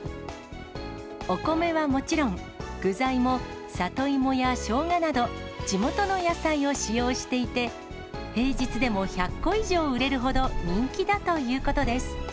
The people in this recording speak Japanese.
お米はもちろん、具材も里芋やショウガなど、地元の野菜を使用していて、平日でも１００個以上売れるほど、人気だということです。